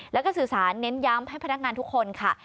แล้วก็สื่อสารเน้นย้ำให้พนักงานทุกคนค่ะ